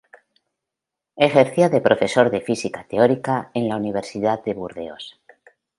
Ejercía de profesor de física teórica en la Universidad de Burdeos.